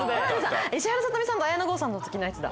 石原さとみさんと綾野剛さんの時のやつだ。